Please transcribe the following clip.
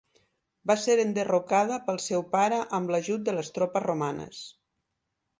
Va ser enderrocada pel seu pare amb l'ajut de les tropes romanes.